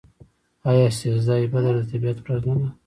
آیا سیزده بدر د طبیعت ورځ نه ده؟